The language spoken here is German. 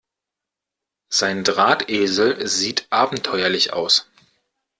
Dein Drahtesel sieht abenteuerlich aus.